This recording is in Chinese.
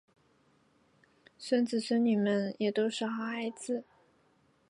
孙子孙女们也都是好孩子